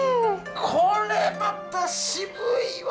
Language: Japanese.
これまた渋いわ。